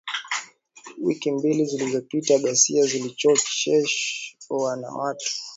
Wiki mbili zilizopita ghasia zilizochochewa na watu wanaoshtakiwa kuwa wafuasi wa chama tawala cha zanu